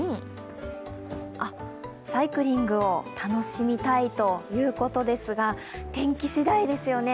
あっ、サイクリングを楽しみたいということですが天気しだいですよね。